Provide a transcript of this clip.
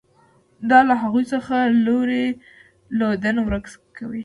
دا له هغوی څخه لوری لودن ورک کوي.